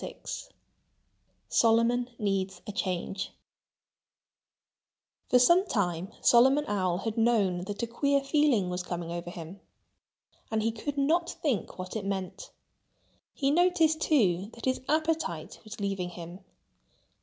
VI Solomon Needs a Change For some time Solomon Owl had known that a queer feeling was coming over him. And he could not think what it meant. He noticed, too, that his appetite was leaving him.